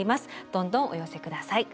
どんどんお寄せください。